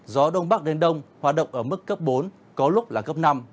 gió đông bắc đến đông hoạt động ở mức cấp bốn có lúc là cấp năm